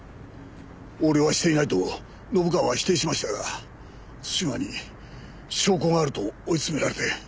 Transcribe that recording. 横領はしていないと信川は否定しましたが津島に証拠があると追い詰められて。